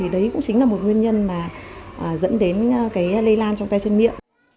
đấy cũng chính là một nguyên nhân dẫn đến lây lan trong tay chân miệng